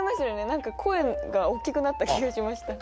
何か声が大きくなった気がしました